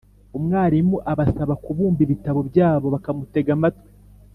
umwarimu abasaba kubumba ibitabo byabo bakamutega amatwi